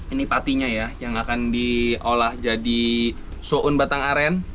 ini patinya ya yang akan diolah jadi soun batang aren